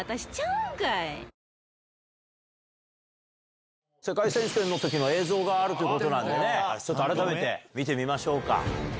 「ミノン」世界選手権のときの映像があるということなんでね、ちょっと改めて見てみましょうか。